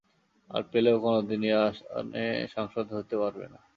আর পেলেও কোনো দিন এই আসনে সাংসদ হতে পারবেন না।